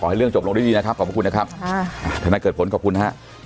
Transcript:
ขอให้เรื่องจบลงด้วยดีนะครับขอบคุณนะครับค่ะถ้านักเกิดผลขอบคุณนะฮะ